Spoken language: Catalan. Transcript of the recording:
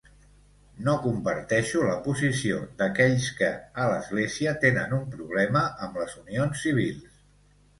No comparteixo la posició d'aquells que, a l'Església, tenen un problema amb les unions civils.